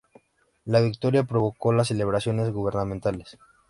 La victoria provocó las celebraciones gubernamentales.